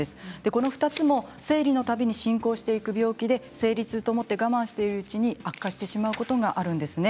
この２つも生理のたびに進行していく病気で生理痛と思って我慢しているうちに悪化してしまうことがあるんです。